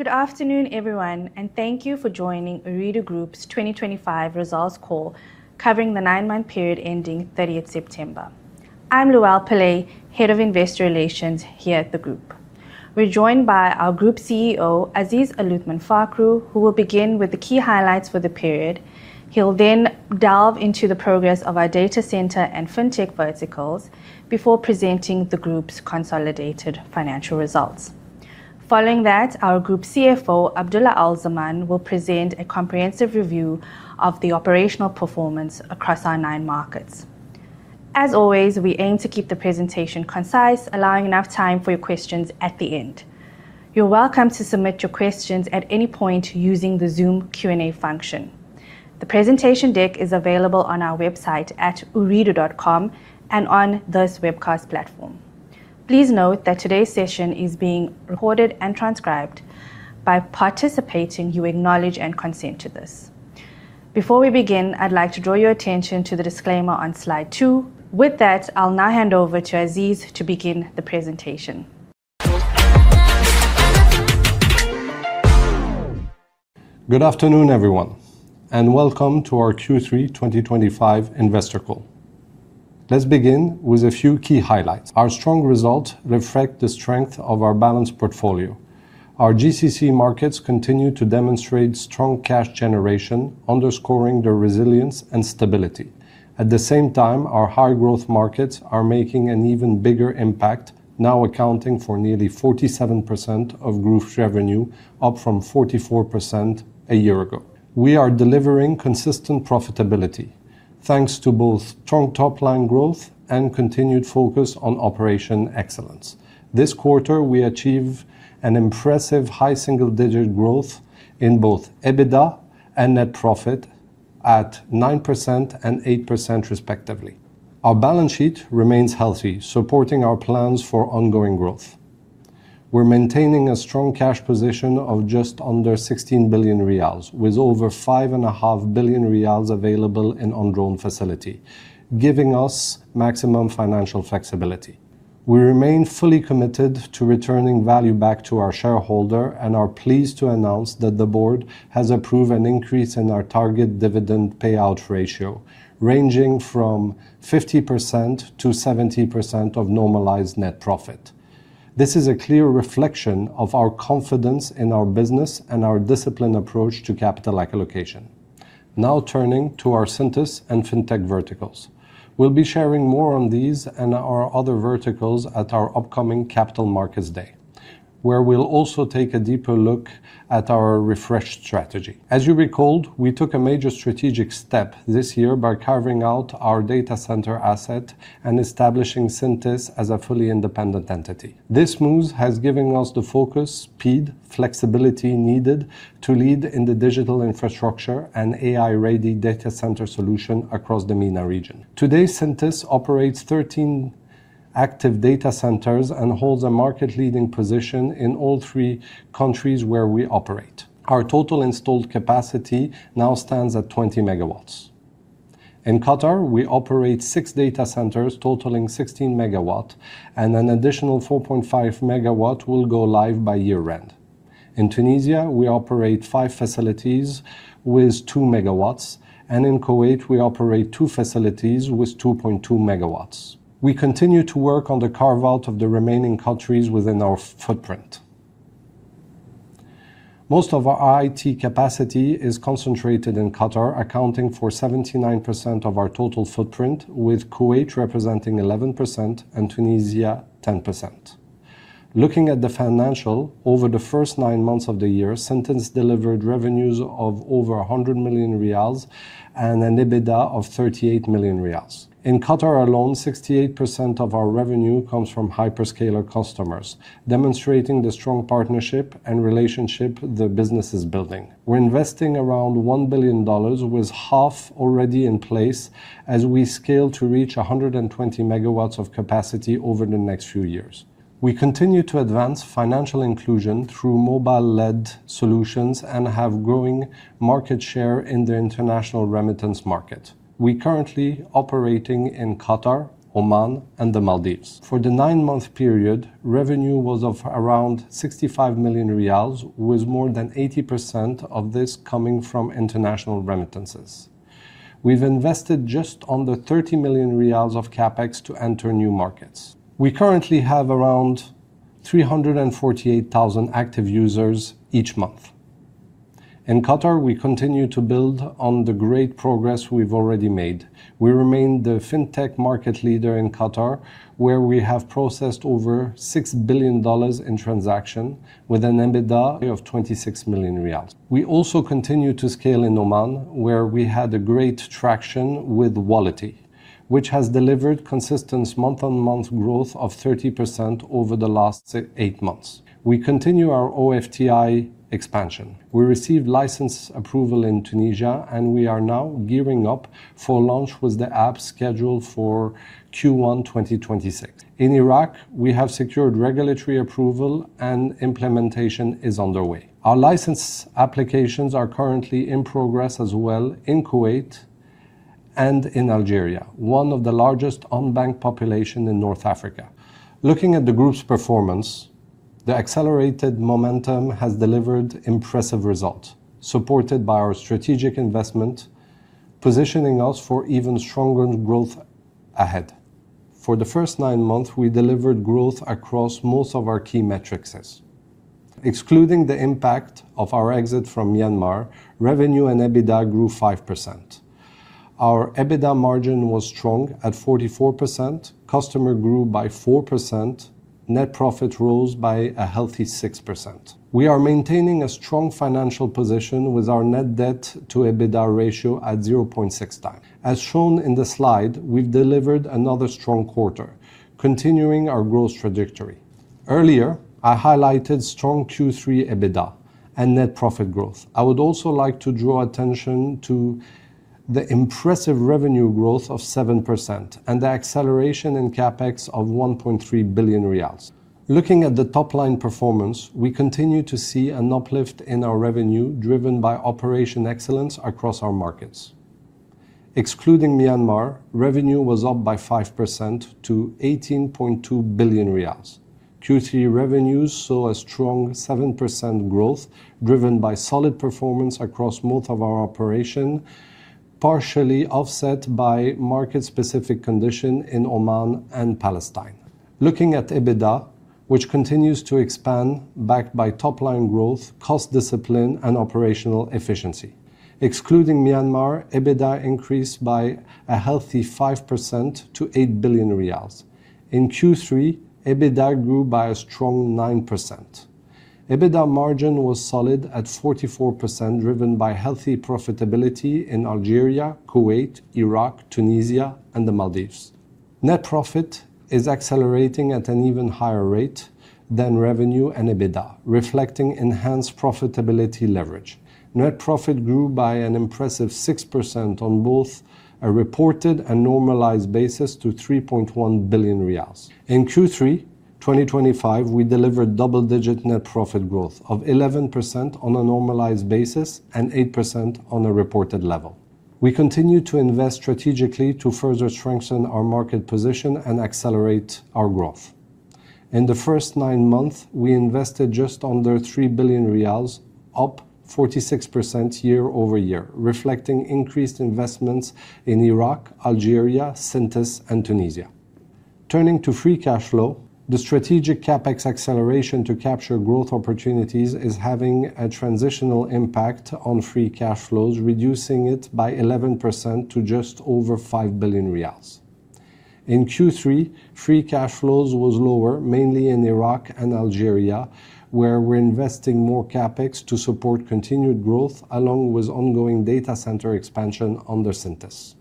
Good afternoon everyone and thank you for joining Ooredoo Group's 2025 results call covering the nine month period ending the 30th of September. I'm Luelle Pillay, Head of Investor Relations here at the Group. We're joined by our Group CEO Aziz Aluthman Fakhroo who will begin with the key highlights for the period. He'll then delve into the progress of our data center and fintech verticals before presenting the Group's consolidated financial results. Following that, our Group CFO Abdulla Ahmad Al-Zaman will present a comprehensive review of the operational performance across our nine markets. As always, we aim to keep the presentation concise, allowing enough time for your questions at the end. You're welcome to submit your questions at any point using the Zoom Q&A function. The presentation deck is available on our website at ooredoo.com and on this webcast platform. Please note that today's session is being recorded and transcribed. By participating you acknowledge and consent to this. Before we begin, I'd like to draw your attention to the disclaimer on slide 2. With that, I'll now hand over to Aziz to begin the presentation. Good afternoon everyone and welcome to our Q3 2025 investor call. Let's begin with a few key highlights. Our strong results reflect the strength of our balanced portfolio. Our GCC markets continue to demonstrate strong cash generation, underscoring their resilience and stability. At the same time, our high growth markets are making an even bigger impact. Now accounting for nearly 47% of Ooredoo's revenue, up from 44% a year ago, we are delivering consistent profitability thanks to both strong top line growth and continued focus on operational excellence. This quarter we achieved an impressive high single digit growth in both EBITDA and net profit at 9% and 8% respectively. Our balance sheet remains healthy, supporting our plans for ongoing growth. We're maintaining a strong cash position of just under 16 billion riyals with over 5.5 billion riyals available in undrawn facility, giving us maximum financial flexibility. We remain fully committed to returning value back to our shareholder and are pleased to announce that the Board has approved an increase in our target dividend payout ratio ranging from 50%-70% of normalized net profit. This is a clear reflection of our confidence in our business and our disciplined approach to capital allocation. Now turning to our Syntys and fintech verticals, we'll be sharing more on these and our other verticals at our upcoming Capital Markets Day where we'll also take a deeper look at our refreshed strategy. As you recall, we took a major strategic step this year by carving out our data center asset and establishing Syntys as a fully independent entity. This move has given us the focus, speed, and flexibility needed to lead in the digital infrastructure and AI-ready data center solution across the MENA region. Today, Syntys operates 13 active data centers and holds a market leading position in all three countries where we operate. Our total installed capacity now stands at 20 MW. In Qatar we operate six data centers totaling 16 megawatts and an additional 4.5 MW will go live by year end. In Tunisia we operate five facilities with 2 megawatts and in Kuwait we operate two facilities with 2.2 MW. We continue to work on the carve out of the remaining countries within our footprint. Most of our IT capacity is concentrated in Qatar, accounting for 79% of our total footprint with Kuwait representing 11% and Tunisia 10%. Looking at the financials over the first nine months of the year, Syntys delivered revenues of over 100 million riyals and an EBITDA of 38 million riyals. In Qatar alone, 68% of our revenue comes from hyperscaler customers, demonstrating the strong partnership and relationship the business is building. We're investing around $1 billion with half already in place as we scale to reach 120 MW of capacity over the next few years. We continue to advance financial inclusion through mobile-led solutions and have growing market share in the international remittance market. We are currently operating in Qatar, Oman, and the Maldives. For the nine-month period, revenue was around 65 million riyals with more than 80% of this coming from international remittances. We've invested just under 30 million riyals of CapEx to enter new markets. We currently have around 348,000 active users each month. In Qatar, we continue to build on the great progress we've already made. We remain the fintech market leader in Qatar where we have processed over $6 billion in transactions with an EBITDA of 26 million riyals. We also continue to scale in Oman where we had great traction with Wallati, which has delivered consistent month-on-month growth of 30% over the last eight months. We continue our OFTI expansion. We received license approval in Tunisia and we are now gearing up for launch with the app scheduled for Q1 2026. In Iraq, we have secured regulatory approval and implementation is underway. Our license applications are currently in progress as well in Kuwait and in Algeria, one of the largest unbanked populations in North Africa. Looking at the group's performance, the accelerated momentum has delivered impressive results supported by our strategic investment positioning us for even stronger growth ahead. For the first nine months, we delivered growth across most of our key metrics excluding the impact of our exit from Myanmar. Revenue and EBITDA grew 5%. Our EBITDA margin was strong at 44%. Customers grew by 4%, net profit rose by a healthy 6%. We are maintaining a strong financial position with our net debt to EBITDA ratio at 0.6x. As shown in the slide, we've delivered another strong quarter continuing our growth trajectory. Earlier I highlighted strong Q3 EBITDA and net profit growth. I would also like to draw attention to the impressive revenue growth of 7% and the acceleration in CapEx of 1.3 billion riyals. Looking at the top line performance, we continue to see an uplift in our revenue driven by operational excellence. Across our markets excluding Myanmar, revenue was up by 5% to 18.2 billion riyals. QCE revenues saw a strong 7% growth driven by solid performance across most of our operations, partially offset by market-specific conditions in Oman and Palestine. Looking at EBITDA, which continues to expand backed by top line growth, cost discipline, and operational efficiency, excluding Myanmar, EBITDA increased by a healthy 5% to 8 billion riyals in Q3. EBITDA grew by a strong 9%. EBITDA margin was solid at 44%, driven by healthy profitability in Algeria, Kuwait, Iraq, Tunisia, and the Maldives. Net profit is accelerating at an even higher rate than revenue and EBITDA, reflecting enhanced profitability leverage. Net profit grew by an impressive 6% on both a reported and normalized basis to 3.1 billion riyals. In Q3 2025, we delivered double-digit net profit growth of 11% on a normalized basis and 8% on a reported level. We continue to invest strategically to further strengthen our market position and accelerate our growth. In the first nine months, we invested just under 3 billion riyals, up 46% year over year, reflecting increased investments in Iraq, Algeria, Syntys, and Tunisia. Turning to free cash flow, the strategic CapEx acceleration to capture growth opportunities is having a transitional impact on free cash flows, reducing it by 11% to just over 5 billion riyals in Q3. Free cash flow was lower mainly in Iraq and Algeria, where we're investing more CapEx to support continued growth along with ongoing data center expansion under Syntys.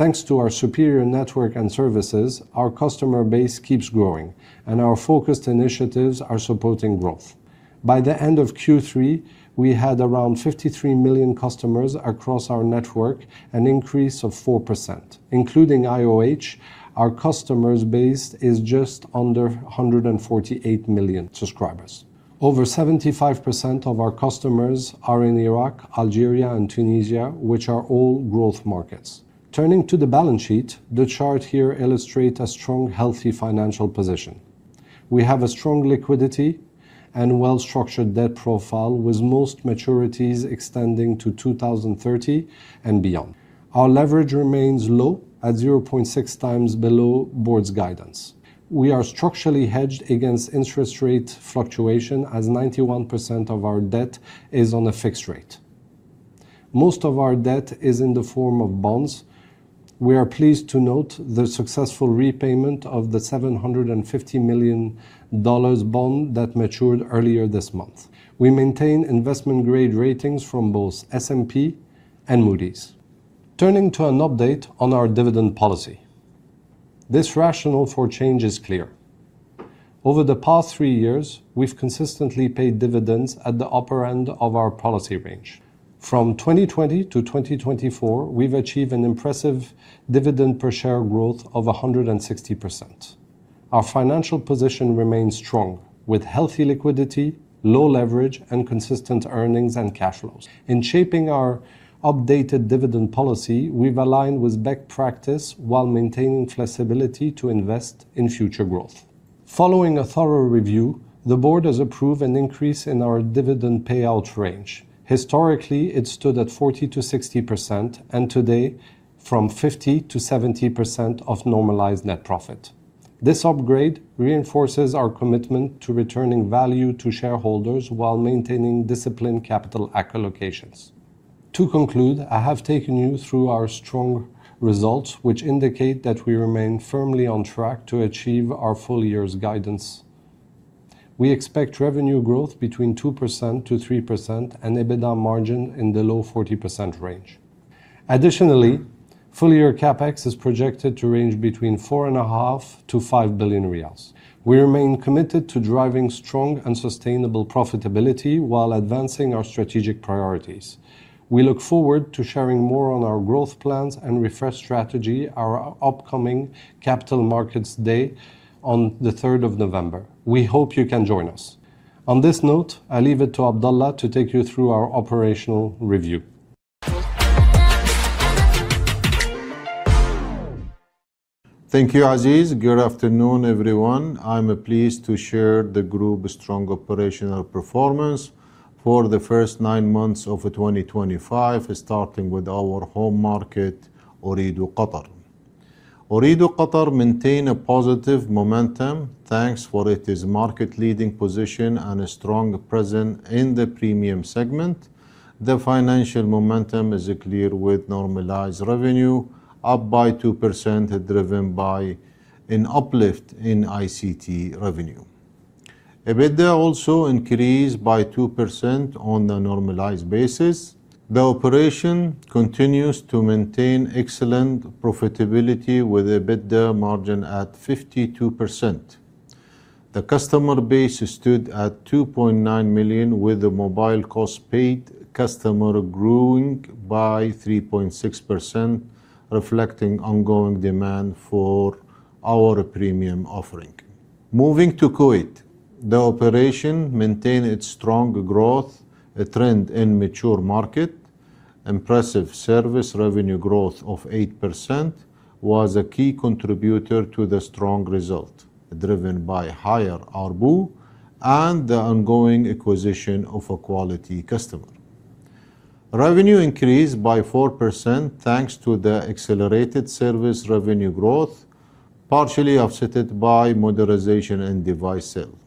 Thanks to our superior network and services, our customer base keeps growing and our focused initiatives are supporting growth. By the end of Q3, we had around 53 million customers across our network, an increase of 4%. Including IOH, our customer base is just under 148 million subscribers. Over 75% of our customers are in Iraq, Algeria, and Tunisia, which are all growth markets. Turning to the balance sheet, the chart here illustrates a strong, healthy financial position. We have strong liquidity and a well-structured debt profile with most maturities extending to 2030 and beyond. Our leverage remains low at 0.6 times, below board's guidance. We are structurally hedged against interest rate fluctuation as 91% of our debt is on a fixed rate. Most of our debt is in the form of bonds. We are pleased to note the successful repayment of the $750 million bond that matured earlier this month. We maintain investment-grade ratings from both S&P and Moody’s. Turning to an update on our dividend policy, this rationale for change is clear. Over the past three years, we've consistently paid dividends at the upper end of our policy range. From 2020 to 2024, we've achieved an impressive dividend per share growth of 160%. Our financial position remains strong with healthy liquidity, low leverage, and consistent earnings and cash flows. In shaping our updated dividend policy, we've aligned with best practice while maintaining flexibility to invest in future growth. Following a thorough review, the Board has approved an increase in our dividend payout range. Historically, it stood at 40% to 60% and today from 50% to 70% of normalized net profit. This upgrade reinforces our commitment to returning value to shareholders while maintaining disciplined capital allocations. To conclude, I have taken you through our strong results which indicate that we remain firmly on track to achieve our full year's guidance. We expect revenue growth between 2%-3% and EBITDA margin in the low 40% range. Additionally, full-year CapEx is projected to range between 4.5 billion-5 billion riyals. We remain committed to driving strong and sustainable profitability while advancing our strategic priorities. We look forward to sharing more on our growth plans and refreshed strategy at our upcoming Capital Markets Day on the 3rd of November. We hope you can join us. On this note, I leave it to Abdulla to take you through our operational review. Thank you Aziz. Good afternoon everyone. I'm pleased to share the group's strong operational performance for the first nine months of 2025 starting with our home market Ooredoo Qatar. Ooredoo Qatar maintained a positive momentum thanks to its market leading position and a strong presence in the premium segment. The financial momentum is clear with normalized revenue up by 2% driven by an uplift in ICT revenue. EBITDA also increased by 2% on a normalized basis. The operation continues to maintain excellent profitability with EBITDA margin at 52%. The customer base stood at 2.9 million with the mobile postpaid customer growing by 3.6% reflecting ongoing demand for our premium offering. Moving to Kuwait, the operation maintained its strong growth trend in a mature market. Impressive service revenue growth of 8% was a key contributor to the strong result driven by higher ARPU and the ongoing acquisition of quality customers. Revenue increased by 4% thanks to the accelerated service revenue growth partially offset by modernization in device sales,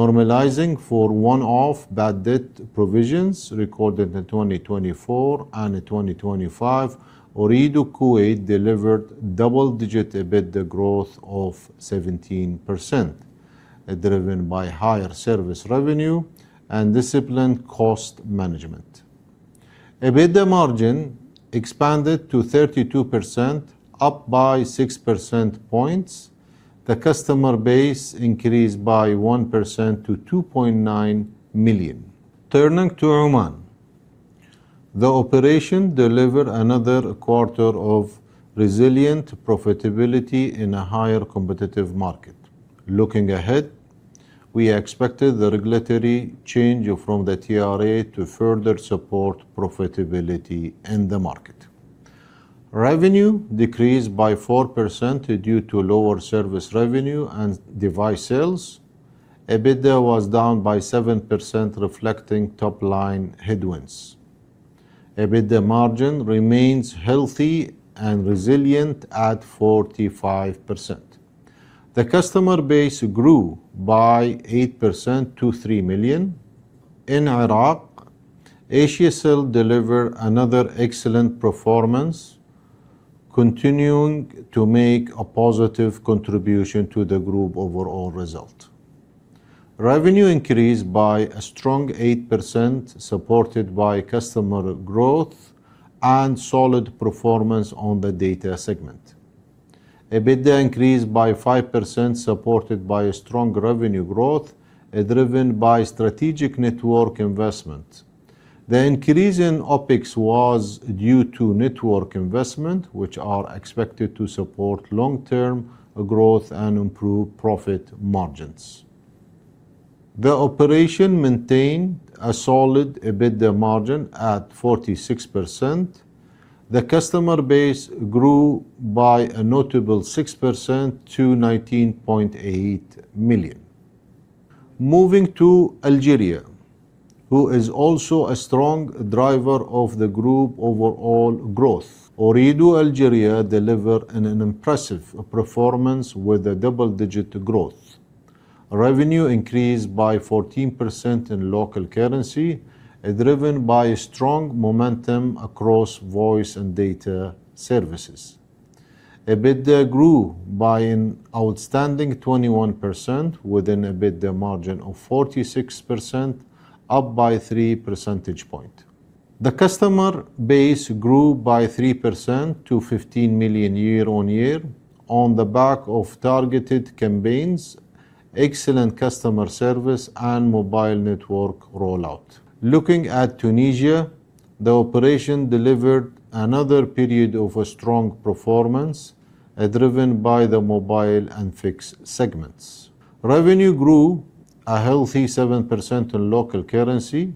normalizing for one-off bad debt provisions recorded in 2024 and 2025. Ooredoo Kuwait delivered double-digit EBITDA growth of 17% driven by higher service revenue and disciplined cost management. EBITDA margin expanded to 32%, up by 6 percentage points. The customer base increased by 1% to 2.9 million. Turning to Oman, the operation delivered another quarter of resilient profitability in a highly competitive market. Looking ahead, we expect the regulatory change from the TRA to further support profitability in the market. Revenue decreased by 4% due to lower service revenue and device sales. EBITDA was down by 7% reflecting top line headwinds. EBITDA margin remains healthy and resilient at 45%. The customer base grew by 8% to 3 million. In Iraq, Asiacell delivered another excellent performance, continuing to make a positive contribution to the group overall result. Revenue increased by a strong 8% supported by customer growth and solid performance. On the data segment, EBITDA increased by 5% supported by strong revenue growth driven by strategic network investment. The increase in OpEx was due to network investment which is expected to support long-term growth and improve profit margins. The operation maintained a solid EBITDA margin at 46%. The customer base grew by a notable 6% to 19.8 million. Moving to Algeria, which is also a strong driver of the group overall growth. Ooredoo Algeria delivered an impressive performance with double-digit growth. Revenue increased by 14% in local currency, driven by strong momentum across voice and data services. EBITDA grew by an outstanding 21%, with an EBITDA margin of 46%, up by 3 percentage points. The customer base grew by 3% to 15 million year on year on the back of targeted campaigns, excellent customer service, and mobile network rollout. Looking at Tunisia, the operation delivered another period of strong performance driven by the mobile and fixed segments. Revenue grew a healthy 7% in local currency,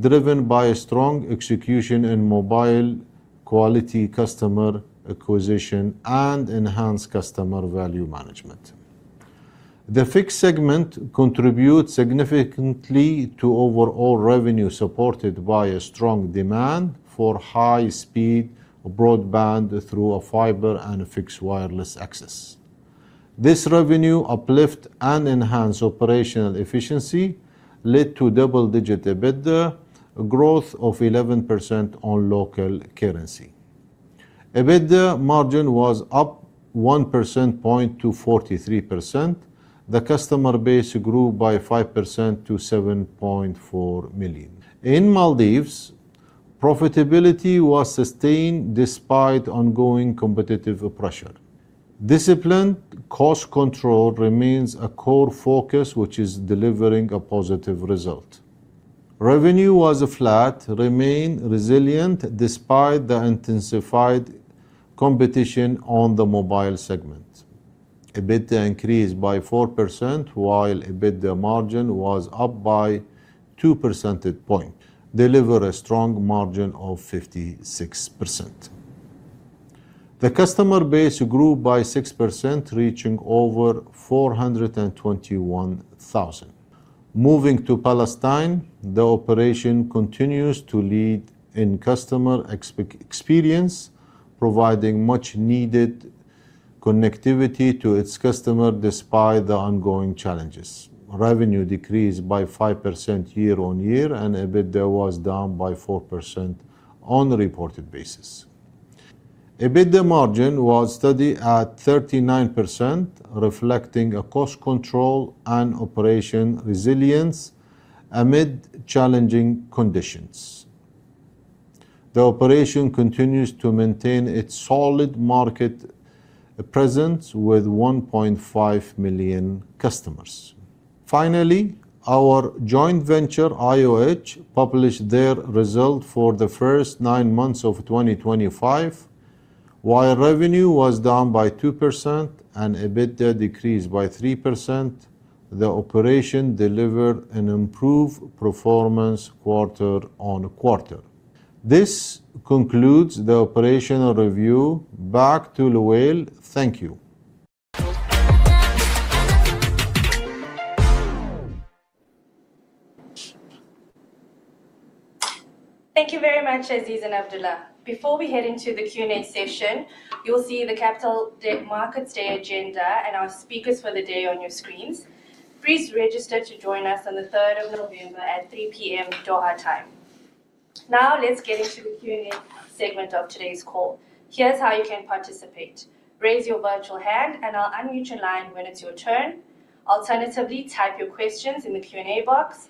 driven by strong execution in mobile, quality customer acquisition, and enhanced customer value management. The fixed segment contributes significantly to overall revenue, supported by strong demand for high-speed broadband through fiber and fixed wireless access. This revenue uplift and enhanced operational efficiency led to double-digit EBITDA growth of 11% in local currency. EBITDA margin was up 1 percentage point to 43%. The customer base grew by 5% to 7.4 million. In Maldives, profitability was sustained despite ongoing competitive pressure. Disciplined cost control remains a core focus, which is delivering a positive result. Revenue was flat, remaining resilient despite the intensified competition in the mobile segment. EBITDA increased by 4%, while EBITDA margin was up by 2 percentage points, delivering a strong margin of 56%. The customer base grew by 6%, reaching over 421,000. Moving to Palestine, the operation continues to lead in customer experience, providing much-needed connectivity to its customers. Despite the ongoing challenges, revenue decreased by 5% year on year and EBITDA was down by 4% on a reported basis. EBITDA margin was steady at 39%, reflecting cost control and operational resilience amid challenging conditions. The operation continues to maintain its solid market presence with 1.5 million customers. Finally, our joint venture IOH published their results for the first nine months of 2025. While revenue was down by 2% and EBITDA decreased by 3%, the operation delivered an improved performance quarter on quarter. This concludes the operational review. Back to Luelle. Thank you. Thank you very much, Aziz and Abdulla. Before we head into the Q&A session, you'll see the Capital Markets Day agenda and our speakers for the day on your screens. Please register to join us on the 3rd of November at 3:00 P.M. Doha time. Now let's get into the Q&A segment of today's call. Here's how you can participate. Raise your virtual hand and I'll unmute your line when it's your turn. Alternatively, type your questions in the Q&A box.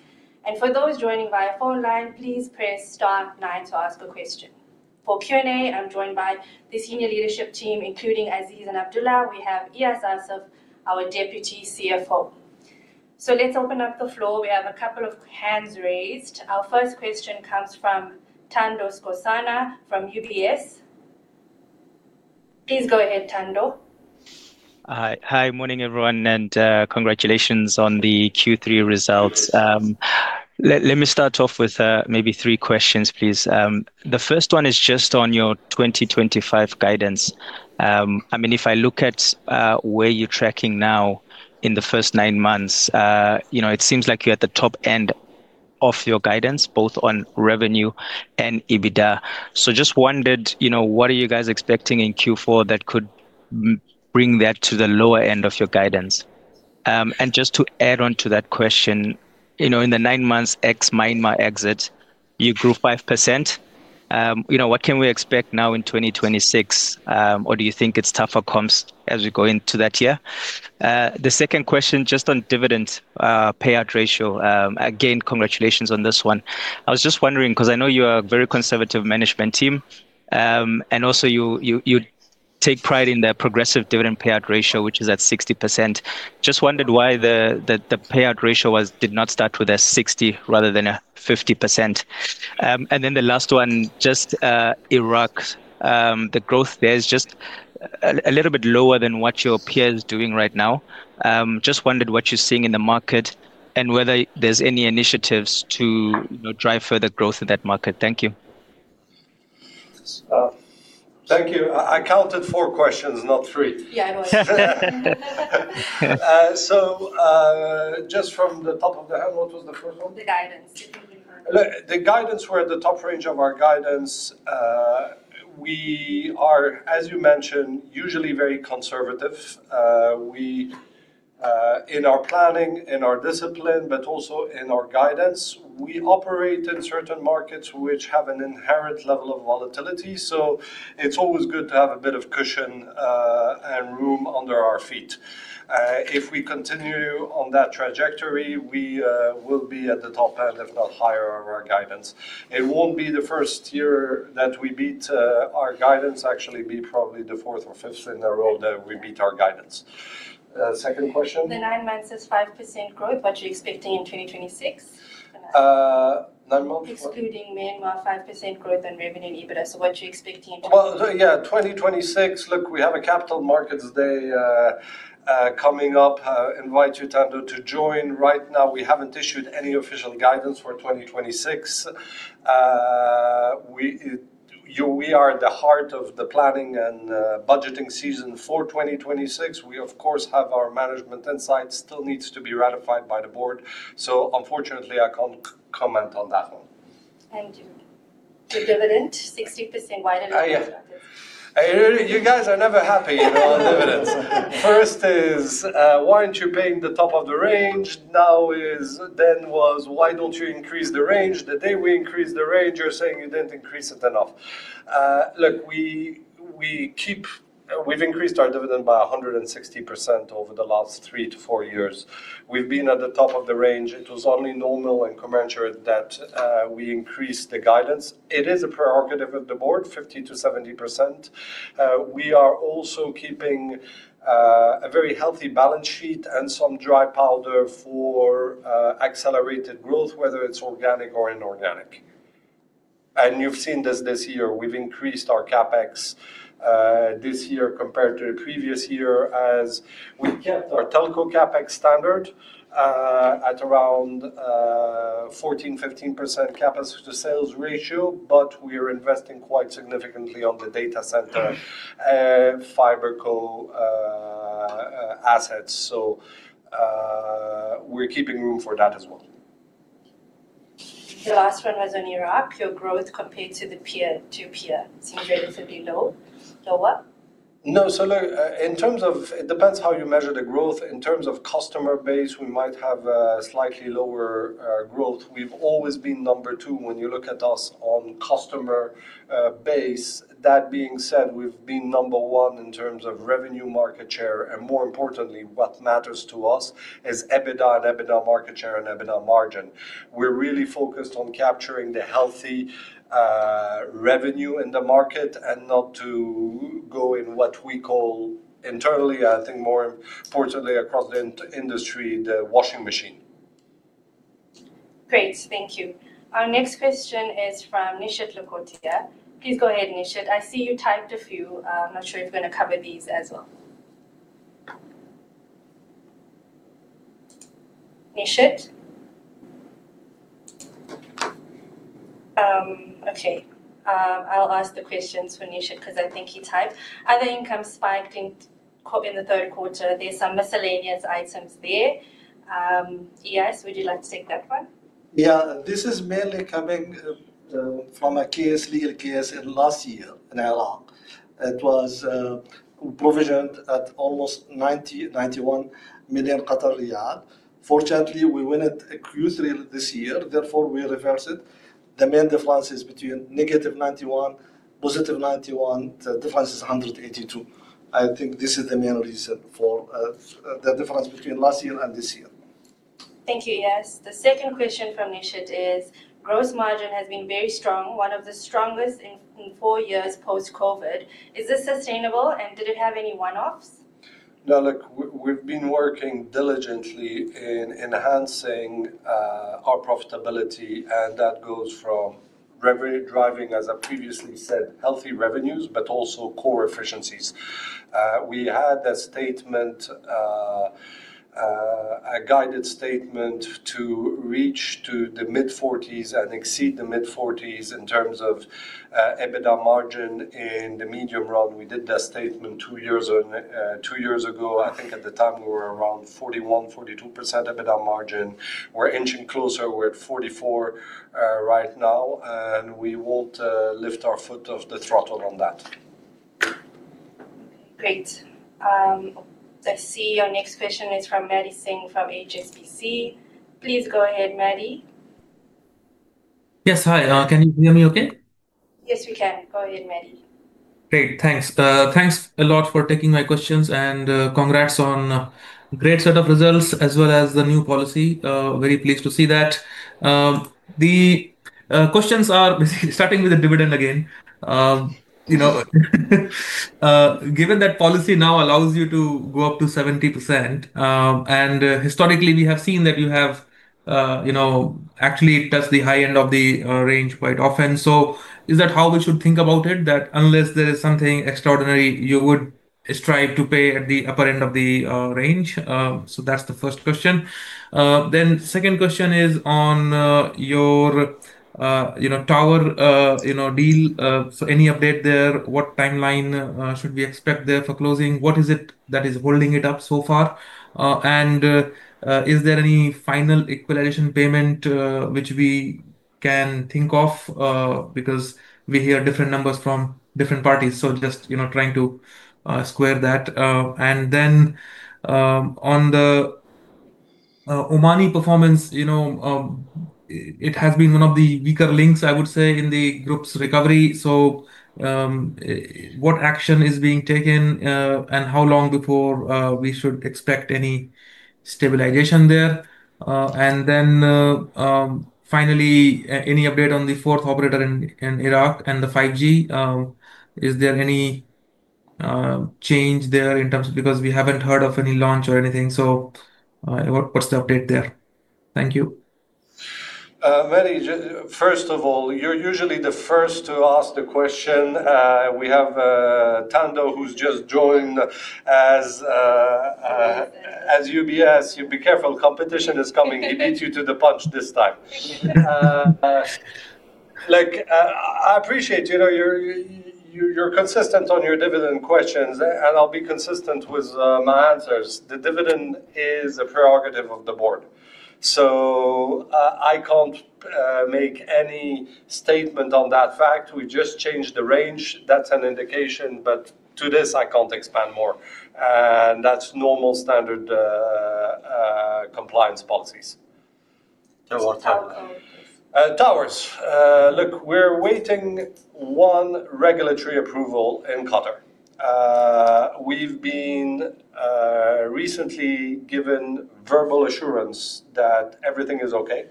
For those joining via phone line, please press Star nine to ask a question. For Q&A, I'm joined by the Senior Leadership Team including Aziz and Abdulla. We have Eyas Assaf, our Deputy CFO. Let's open up the floor. We have a couple of hands raised. Our first question comes from Thando Skosana from UBS. Please go ahead, Tando. Hi, morning everyone and congratulations on the Q3 results. Let me start off with maybe three questions, please. The first one is just on your 2025 guidance. I mean, if I look at where you're tracking now in the first nine months, it seems like you're at the top end of your guidance both on revenue and EBITDA. I just wondered what are you guys expecting in Q4 that could bring that to the lower end of your guidance? Just to add on to that question, in the nine months ex Myanmar exit you grew 5%. What can we expect now in 2026? Do you think it's tougher comps as we go into that year? The second question is just on dividend payout ratio. Again, congratulations on this one. I was just wondering because I know you are a very conservative management team and also you take pride in the progressive dividend payout ratio which is at 60%. I just wondered why the payout ratio did not start with a 60% rather than a 50%. The last one is just Iraq, the growth there is just a little bit lower than what your peers are doing right now. I just wondered what you're seeing in the market and whether there's any initiatives to drive further growth in that market. Thank you. Thank you. I counted four questions, not three. Yeah. What was the first one? The guidance. The guidance were at the top range of our guidance. We are, as you mentioned, usually very conservative in our planning, in our discipline, but also in our guidance. We operate in certain markets which have an inherent level of volatility. It's always good to have a bit of cushion and room under our feet. If we continue on that trajectory, we will be at the top end, if not higher, of our guidance. It won't be the first year that we beat our guidance. Actually, be probably the fourth or fifth in a row that we beat our guidance. Second question? The nine months is 5% growth. What you expecting in 2026 excluding Myanmar, 5% growth in revenue and EBITDA. What you expecting? Yes, 2026. Look, we have a Capital Markets Day coming up. Invite you, Thando, to join. Right now we haven't issued any official guidance for 2026. We are at the heart of the planning and budgeting season for 2026. We of course have our management insight, still needs to be ratified by the board. Unfortunately, I can't comment on that one. Thank you. The dividend is 60%. You guys are never happy. First is why aren't you paying the top of the range? Now is then was why don't you increase the range? The day we increase the range, you're saying you didn't increase it enough. Look, we've increased our dividend by 160% over the last three to four years. We've been at the top of the range. It was only normal and commensurate that we increased the guidance. It is a prerogative of the Board, 50%-70%. We are also keeping a very healthy balance sheet and some dry powder for accelerated, whether it's organic or inorganic. You've seen this this year. We've increased our CapEx this year compared to the previous year as we kept our telco CapEx standard at around 14%, 15% capacity to sales ratio. We are investing quite significantly on the data center fiber co assets, so we're keeping room for that as well. The last one was on your app. Your growth compared to the peer-to-peer seems relatively lower. No? In terms of. It depends how you measure the growth. In terms of customer base, we might have slightly lower growth. We've always been number two when you look at us on customer base. That being said, we've been number one in terms of revenue, market share, and more importantly what matters to us is EBITDA and EBITDA market share and EBITDA margin. We're really focused on capturing the healthy revenue in the market and not to go in what we call internally, I think more importantly across the industry, the washing machine. Great, thank you. Our next question is from Nishit Lakoti. Please go ahead. Nishit, I see you typed a few. I'm not sure if we're going to cover these as well. Nishit. Okay, I'll ask the questions for Nishit because I think he typed other income spiked in the third quarter. There's some miscellaneous items there. Eyas, would you like to take that one? Yeah. This is mainly coming from a legal case last year in Qatar. It was provisioned at almost 91 million. Fortunately, we win it Q3 this year. Therefore, we reverse it. The main difference is between negative 91, positive 91. The difference is 182. I think this is the main reason for the difference between last year and this year. Thank you. Yes. The second question from Nishit is gross margin has been very strong, one of the strongest in four years post Covid. Is this sustainable and did it have any one offs? No. Look, we've been working diligently in enhancing our profitability, and that goes from driving, as I previously said, healthy revenues but also core efficiencies. We had a guided statement to reach to the mid-40s and exceed the mid-40s in terms of EBITDA margin in the medium run. We did that statement two years ago. I think at the time we were around 41%, 42% EBITDA margin. We're inching closer. We're at 44% right now, and we won't lift our foot off the throttle. That's great, I see. Our next question is from Madison from HSBC. Please go ahead, Maddie. Yes, hi. Can you hear me okay? Yes, we can. Go ahead, Maddie. Great, thanks. Thanks a lot for taking my questions. Congrats on a great set of results as well as the new policy. Very pleased to see that the questions are starting with the dividend again, given that policy now allows you to go up to 70%. Historically, we have seen that you have actually touched the high end of the range quite often. Is that how we should think about it? That unless there is something extraordinary, you would strive to pay at the upper end of the range? That's the first question. Second question is on your tower deal. Any update there? What timeline should we expect for closing? What is it that is holding it up so far? Is there any final equalization payment which we can think of because we hear different numbers from different parties? Just trying to square that. On the Omani performance, it has been one of the weaker links, I would say, in the group's recovery. What action is being taken and how long before we should expect any stabilization there? Finally, any update on the fourth operator in Iraq and the 5G? Is there any change there in terms of that? We haven't heard of any launch or anything. What's the update there? Thank you. First of all, you're usually the first to ask the question. We have Tando, who's just joined as UBS. You be careful. Competition is coming. He beat you to the punch this time. I appreciate, you know, you're consistent on your dividend questions and I'll be consistent with my answers. The dividend is a prerogative of the Board, so I can't make any statement on that fact. We just changed the range. That's an indication. To this I can't expand more. That's normal standard compliance policies. Towers. Look, we're waiting one regulatory approval in Qatar. We've been recently given verbal assurance that everything is okay.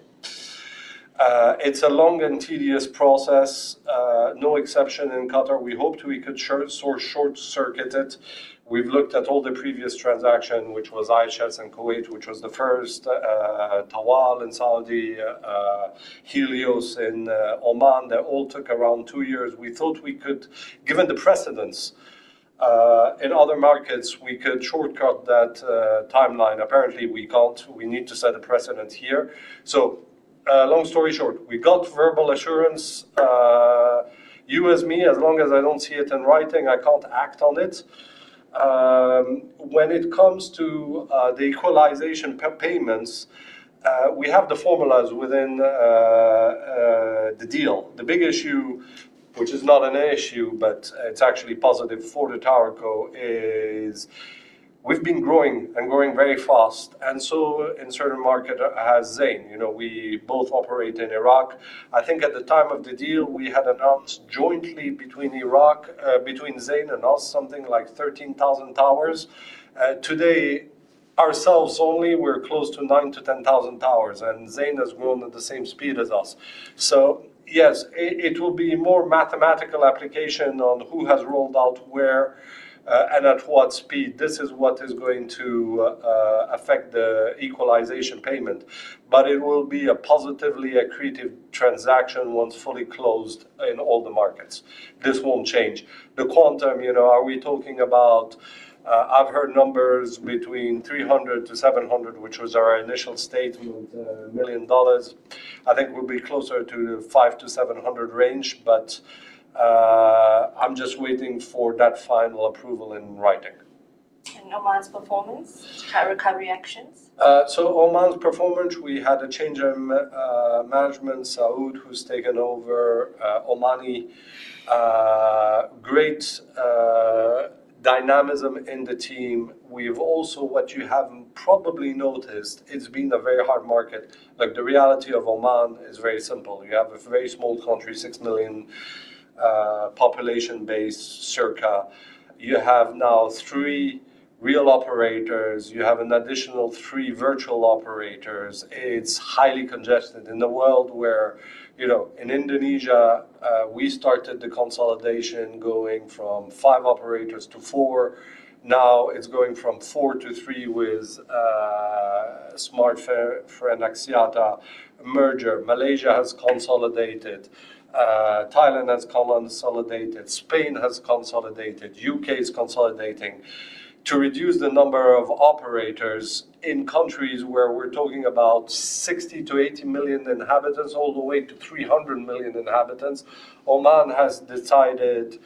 It's a long and tedious process. No exception in Qatar. We hoped we could short circuit it. We've looked at all the previous transactions, which was IHS in Kuwait, which was the first Tawal in Saudi, Helios, and all that all took around two years. We thought we could, given the precedence in other markets, shortcut that timeline. Apparently we can't. We need to set a precedent here. Long story short, we got verbal assurance. You ask me, as long as I don't see it in writing, I can't act on it. When it comes to the equalization payments, we have the formulas within the deal. The big issue, which is not an issue but it's actually positive for the towerco, is we've been growing and growing very fast. In certain markets, Zain, you know, we both operate in Iraq. I think at the time of the deal we had announced jointly between Iraq, between Zain and us, something like 13,000 towers. Today, ourselves only, we're close to 9,000 to 10,000 towers, and Zain has grown at the same speed as us. Yes, it will be more mathematical application on who has rolled out where and at what speed. This is what is going to affect the equalization payment, but it will be a positively accretive transaction once fully closed in all the markets. This won't change the quantum. You know, are we talking about, I've heard numbers between $300 million-$700 million, which was our initial statement. I think we'll be closer to the $500 million-$700 million range, but I'm just waiting for that final approval in writing. Oman's performance recovery actions. Performance, we had a change in management, so Uma, who's taken over Oman, great dynamism in the team. We've also, what you haven't probably noticed, it's been a very hard market. The reality of Oman is very simple. You have a very small country, 6 million population based circa. You have now three real operators. You have an additional three virtual operators. It's highly congested in the world where, you know, in Indonesia we started the consolidation going from five operators to four. Now it's going from four to three with the smartphone Axiata merger. Malaysia has consolidated, Thailand has consolidated, Spain has consolidated. The UK is consolidating to reduce the number of operators in countries where we're talking about 60 to 80 million inhabitants all the way to 300 million inhabitants. Oman has decided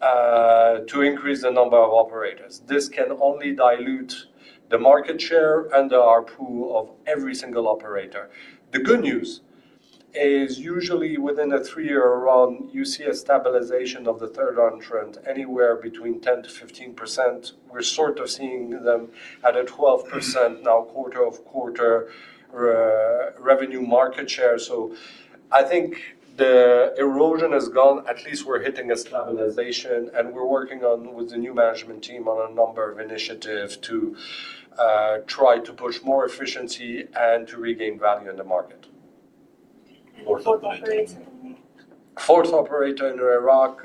to increase the number of operators. This can only dilute the market share under our pool of every single operator. The good news is, usually within a three-year run, you see a stabilization of the third on trend anywhere between 10%-15%. We're sort of seeing them at a 12% now, quarter-over-quarter revenue market share. I think the erosion has gone, at least we're hitting a stabilization, and we're working on, with the new management team, a number of initiatives to try to push more efficiency and to regain value in the market. Fourth operator in Iraq,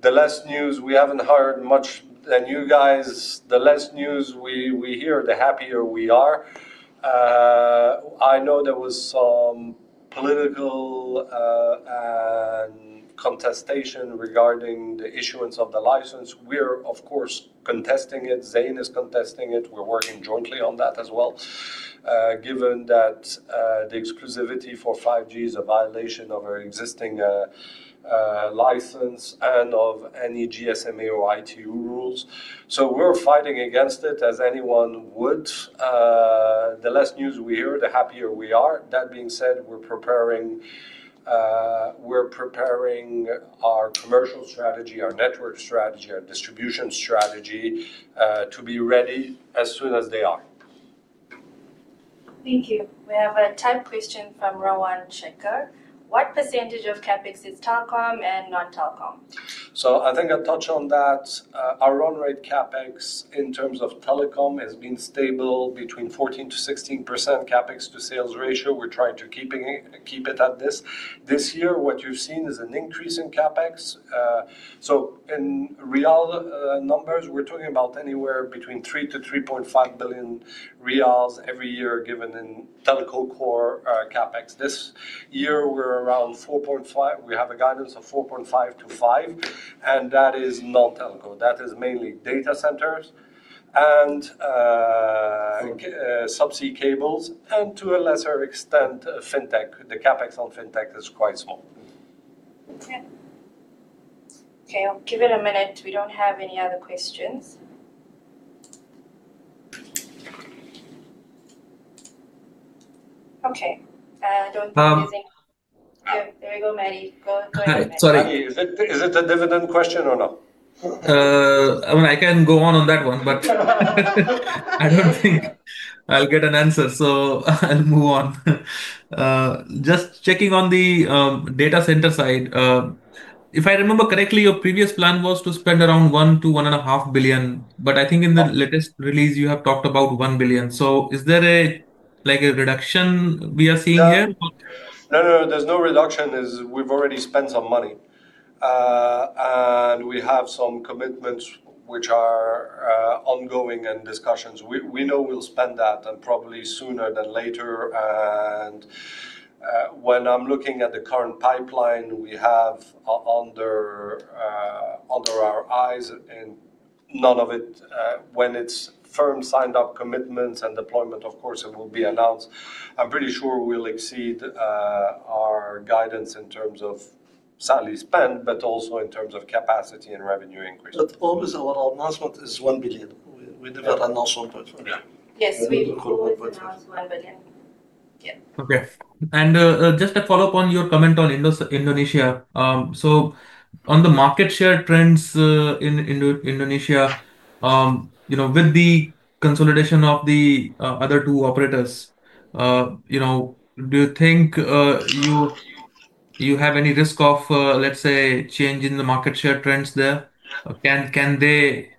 the less news we haven't heard much, and you guys, the less news we hear, the happier we are. I know there was some political contestation regarding the issuance of the license. We're, of course, contesting it. Zain is contesting it. We're working jointly on that as well, given that the exclusivity for 5G is a violation of our existing license and of any GSMA or ITU rules. We're fighting against it as anyone would. The less news we hear, the happier we are. That being said, we're preparing our commercial strategy, our network strategy, our distribution strategy to be ready as soon as they are. Thank you. We have a typed question from Rowan Shekar. What percentage of CapEx is telecom and non-telecom? I think I'll touch on that. Our run rate CapEx in terms of telecom has been stable between 14%-16% CapEx to sales ratio. We're trying to keep it at this. This year what you've seen is an increase in CapEx. In real numbers we're talking about anywhere between 3 billion to 3.5 billion riyals every year given in telco core CapEx. This year we're around 4.5 billion. We have a guidance of 4.5 billion-5 billion and that is non-telco. That is mainly data centers and subsea cables and to a lesser extent fintech. The CapEx on fintech is quite small. Okay, give it a minute. We don't have any other questions. Okay, there you go, Maddie. Sorry. Is it a dividend question or not? I can go on on that one, but I don't think I'll get an answer, so I'll move on. Just checking on the data. If I remember correctly, your previous plan was to spend around 1 billion to 1.5 billion, but I think in the latest release you have talked about 1 billion. Is there a reduction we are seeing here? No, no, there's no reduction. We've already spent some money and we have some commitments which are ongoing and discussions. We know we'll spend that and probably sooner than later. When I'm looking at the current pipeline we have under our eyes, none of it, when it's firm signed up commitments and deployment, of course it will be announced. I'm pretty sure we'll exceed our guidance in terms of Syntys spend but also in terms of capacity and revenue increase. Our announcement is 1 billion and also. Okay, just a follow up on your comment on Indonesia. On the market share trends in Indonesia, with the consolidation of the other two operators, do you think you have any risk of, let's say, change in the market share trends there? Can they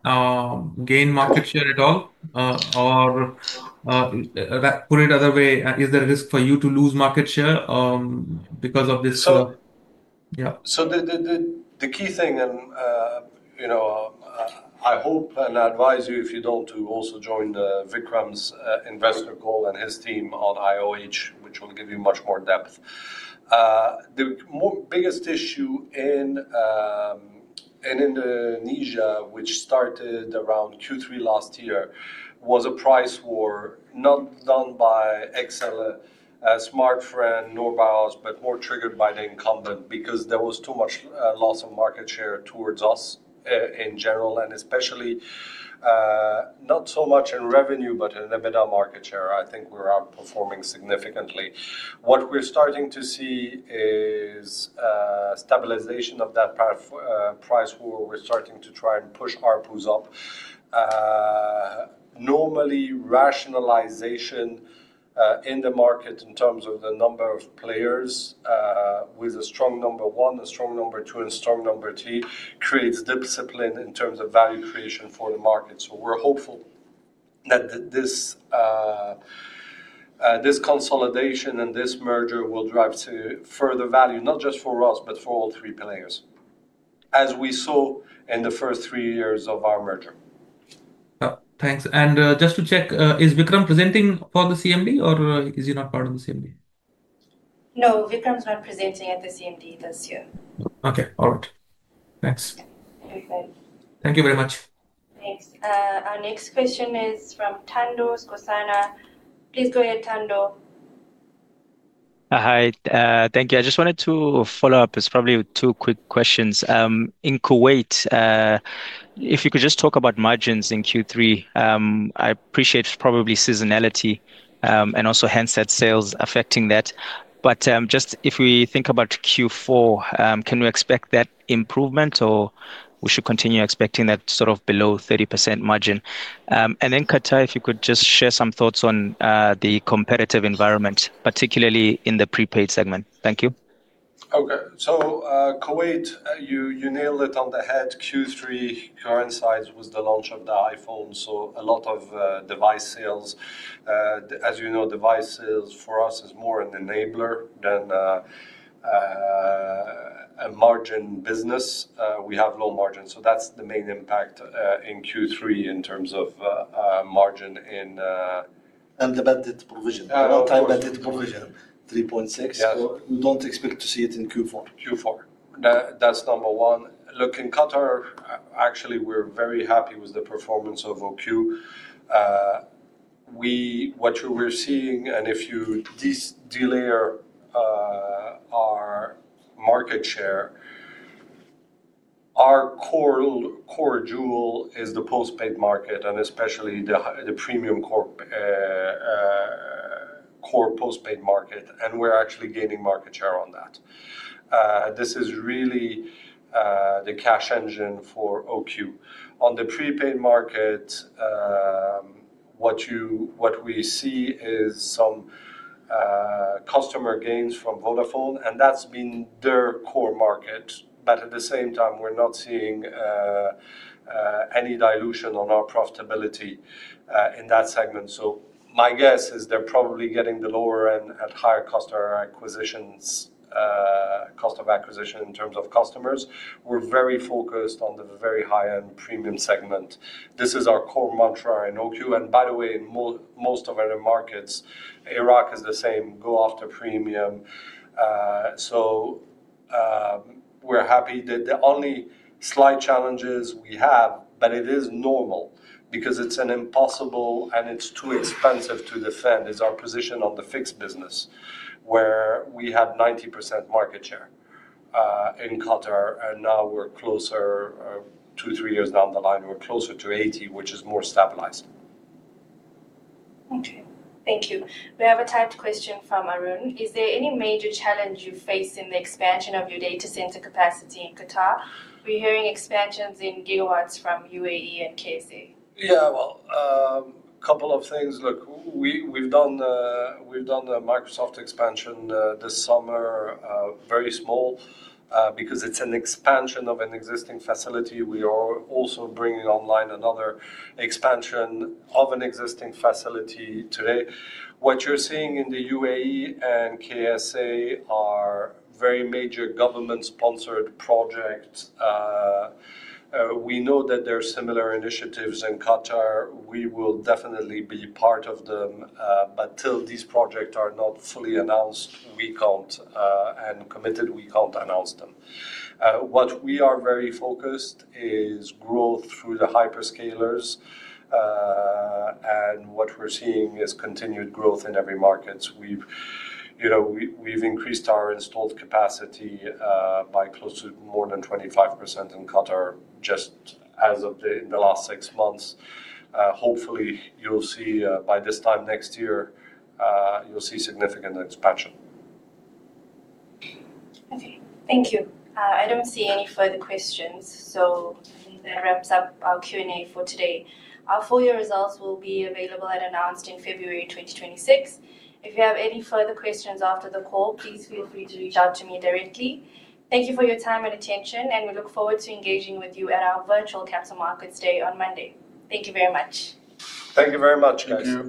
gain market share at all, or put it another way, is there a risk for you to lose market share because of this? The key thing, and I hope and advise you if you don't, is to also join Vikram's investor call and his team on IOH, which will give you much more depth. The biggest issue in Indonesia, which started around Q3 last year, was a price war not done by XL, Smartfren, [noByels] but more triggered by the incumbent because there was too much loss of market share towards us in general, and especially not so much in revenue, but in EBITDA market share. I think we're outperforming significantly. What we're starting to see is stabilization of that price war. We're starting to try and push ARPUs up. Normally, rationalization in the market in terms of the number of players, with a strong number one, a strong number two, and a strong number three, creates discipline in terms of value creation for the market. We're hopeful that this consolidation and this merger will drive to further value not just for us, but for all three players, as we saw in the first three years of our merger. Thanks. Just to check, is Vikram presenting for the CMD or is he not part of the CMD? No, Vikram Sinha's not presenting at the CMD this year. Okay. All right, thanks. Thank you very much. Thanks. Our next question is from Thando Skosana. Please go ahead. Thando. Hi. Thank you. I just wanted to follow up. It's probably two quick questions. In Kuwait, if you could just talk about margins in Q3, I appreciate probably seasonality and also handset sales affecting that. If we think about Q4, can we expect that improvement or should we continue expecting that sort of below 30% margin? In Qatar, if you could just share some thoughts on the competitive environment, particularly in the prepaid segment. Thank you. Okay, so Kuwait, you nailed it on the head. Q3 coincides with the launch of the iPhone. So a lot of device sales, as you know, device is for us more an enabler than a margin business. We have low margin. That's the main impact in Q3 in terms of margin, and the benefit provision 3.6. We don't expect to see it in Q4. That's number one. Look, in Qatar, actually we're very happy with the performance of Ooredoo. What you are seeing, and if you delayer our market share, our core jewel is the postpaid market and especially the premium core postpaid market. We're actually gaining market share on that. This is really the cash engine for Ooredoo. On the prepaid market, what we see is some customer gains from Vodafone, and that's been their core market. At the same time, we're not seeing any dilution on our profitability in that segment. My guess is they're probably getting the lower end at higher cost of our acquisitions, cost of acquisitions in terms of customers. We're very focused on the very high end premium segment. This is our core mantra in Ooredoo. By the way, most of our markets, Iraq is the same, go after premium. We're happy that the only slight challenges we have, but it is normal because it's impossible and it's too expensive to defend, is our position on the fixed business where we had 90% market share in Qatar and now we're closer, two, three years down the line, we're closer to 80%, which is more stabilized. Okay, thank you. We have a typed question from Arun. Is there any major challenge you face in the expansion of your data center capacity in Qatar? We're hearing expansions in gigawatts from UAE and K.C. Yeah, a couple of things. Look, we've done the Microsoft expansion this summer. Very small because it's an expansion of an existing facility. We are also bringing online another expansion of an existing facility. Today what you're seeing in the UAE and KSA are very major government-sponsored projects. We know that there are similar initiatives in Qatar. We will definitely be part of them. Until these projects are fully announced and committed, we can't announce them. What we are very focused on is growth through the hyperscalers, and what we're seeing is continued growth in every market. We've increased our installed capacity by close to more than 25% in Qatar just in the last six months. Hopefully, by this time next year you'll see significant expansion. Okay, thank you. I don't see any further questions. That wraps up our Q and A for today. Our full year results will be available and announced in February 2023. If you have any further questions after the call, please feel free to reach out to me directly. Thank you for your time and attention, and we look forward to engaging with you at our Virtual Capital Markets Day on Monday. Thank you very much. Thank you very much, guys.